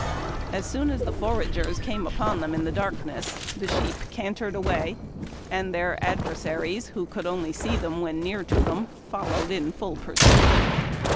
As soon as the foragers came upon them in the darkness, the sheep cantered away, and their adversaries, who could only see them when near to them, followed in full pursuit.